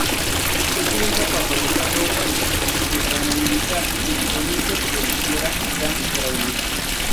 Se utiliza para fabricar ropa de faena militar y equipamiento que requiera gran durabilidad.